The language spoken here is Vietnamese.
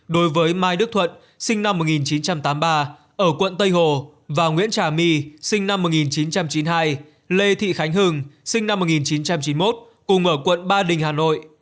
đối với mai đức thuận sinh năm một nghìn chín trăm tám mươi ba ở quận tây hồ và nguyễn trà my sinh năm một nghìn chín trăm chín mươi hai lê thị khánh hưng sinh năm một nghìn chín trăm chín mươi một cùng ở quận ba đình hà nội